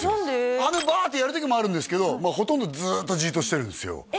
羽バーッてやる時もあるんですけどまあほとんどずっとじーっとしてるんですよえ！